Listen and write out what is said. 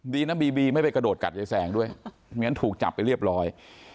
ดีนะบีบีไม่ไปกระโดดกัดยายแสงด้วยไม่งั้นถูกจับไปเรียบร้อย